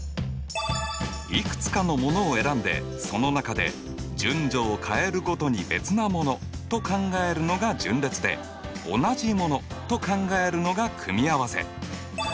いくつかのものを選んでその中で順序を変えるごとに別なものと考えるのが順列で同じものと考えるのが組合せ。